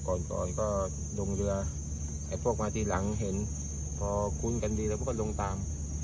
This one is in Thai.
ก่อนก่อนก็ลงเรือไอ้พวกมาทีหลังเห็นพอคุ้นกันดีแล้วก็ลงตาม